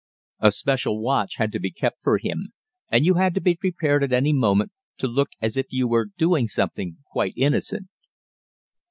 A special watch had to be kept for him, and you had to be prepared at any moment to look as if you were doing something quite innocent.